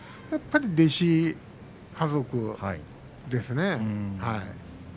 やっぱり弟子、家族ですね。